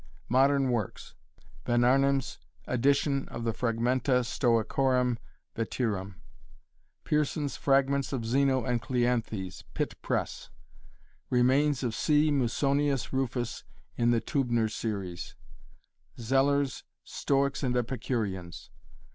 Modern works Von Arnim's edition of the "Fragmenta Stoicorum Veterum" Pearson's "Fragments of Zeno and Cleanthes" Pitt Press Remains of C Musonius Rufus in the Teubner series Zeller's "Stoics and Epicureans."